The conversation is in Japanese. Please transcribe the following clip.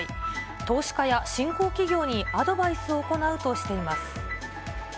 投資家や新興企業にアドバイスを行うとしています。